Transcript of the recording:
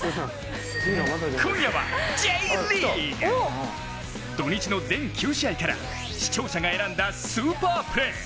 今夜はＪリーグ！土日の全９試合から視聴者が選んだスーパープレー